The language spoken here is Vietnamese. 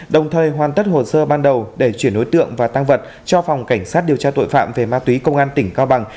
đồng thời hoàn tất hồ sơ ban đầu để chuyển đối tượng và tăng vật cho phòng cảnh sát điều tra tội phạm về ma túy công an tỉnh cao bằng